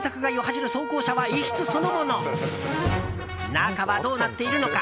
中はどうなっているのか